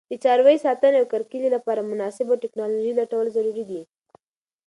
د څاروي ساتنې او کرکیلې لپاره مناسبه تکنالوژي لټول ضروري دي.